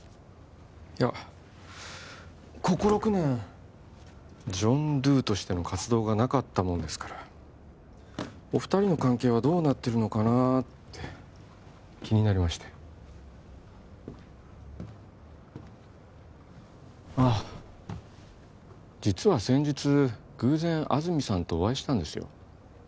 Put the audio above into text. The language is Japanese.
いやここ６年ジョン・ドゥとしての活動がなかったものですからお二人の関係はどうなってるのかなって気になりましてああ実は先日偶然安積さんとお会いしたんですよ